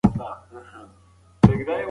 سپارښتنه کېږي تشه معده سره خوب ته لاړ شئ.